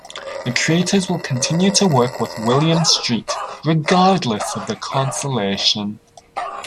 The creators will continue to work with Williams Street regardless of the cancellation.